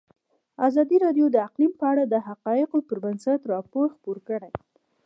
ازادي راډیو د اقلیم په اړه د حقایقو پر بنسټ راپور خپور کړی.